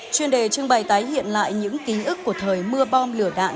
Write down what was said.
chuyên đề trưng bày tái hiện lại những ký ức của thời mưa bom lửa đạn